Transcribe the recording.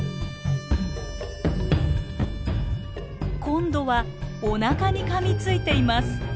今度はおなかにかみついています。